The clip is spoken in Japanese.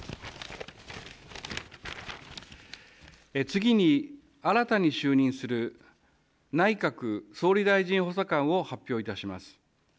次に新たに就任する内閣総理大臣補佐官を発表いたします。